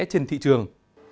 trên thị trường